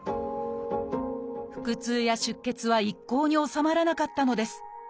腹痛や出血は一向に治まらなかったのです。